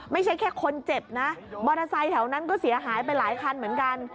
ไม่ใช่แค่คนเจ็บนะมอเตอร์ไซค์แถวนั้นก็เสียหายไปหลายคันเหมือนกัน